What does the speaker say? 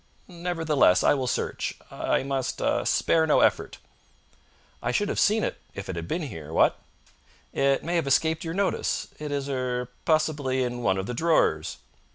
"Nevertheless, I will search. I must ah spare no effort." "I should have seen it if it had been here what?" "It may have escaped your notice. It is er possibly in one of the drawers."